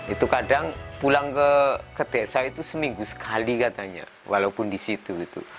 itu kadang pulang ke desa itu seminggu sekali katanya walaupun di situ gitu